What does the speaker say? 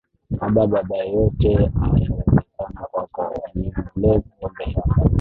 Aba Baba yote yawezekana kwako uniondolee kikombe hiki